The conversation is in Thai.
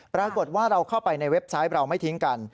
ปรากฏว่าเราเข้าไปในเว็บไซต์เราไม่ทิ้งกัน